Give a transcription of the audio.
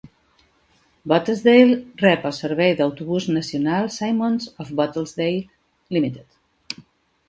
Botesdale rep el servei d'autobús nacional Simonds of Botesdale Limited.